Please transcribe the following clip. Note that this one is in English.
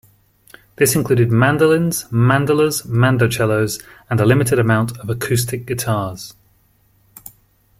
This included mandolins, mandolas, mandocellos and a limited amount of acoustic guitars.